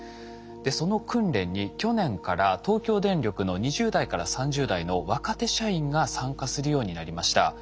その訓練に去年から東京電力の２０代から３０代の若手社員が参加するようになりました。